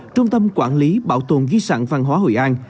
trung tâm quản lý bảo tồn di sản văn hóa hội an